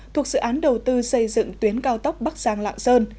thuộc dự án đầu tư xây dựng tuyến cao tốc bắc giang lạng sơn